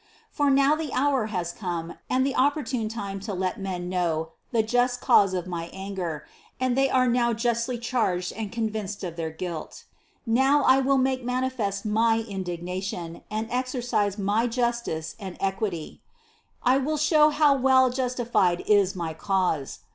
For now the hour has come and the opportune time to let men know the just cause of my anger, and they are now justly charged and convinced of their guilt. Now I will make manifest my indignation and exercise my justice and equity; I will show how well justified is my cause.